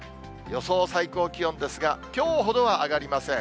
予想最高気温ですが、きょうほどは上がりません。